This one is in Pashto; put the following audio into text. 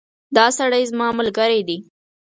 دا سړی زما ملګری دی